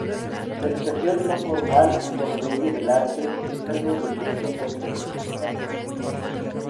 La educación no formal por medio del arte es uno de sus propósitos principales.